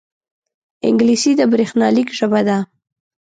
انګلیسي د بریښنالیک ژبه ده